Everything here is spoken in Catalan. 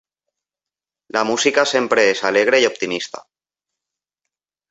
La música sempre és alegre i optimista.